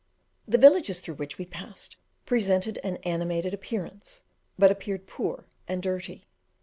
The villages through which we passed presented an animated appearance, but appeared poor and dirty.